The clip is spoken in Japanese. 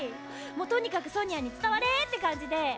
もうとにかくソニアに伝われって感じで。